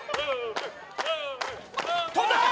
飛んだ！